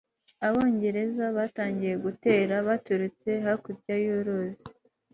abongereza batangiye gutera baturutse hakurya y'uruzi